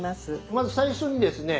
まず最初にですね